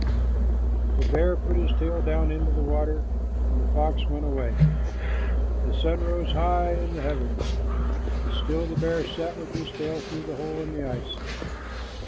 The bear put his tail down into the water, and the fox went away. The sun rose high in the heavens, and still the bear sat with his tail through the hole in the ice.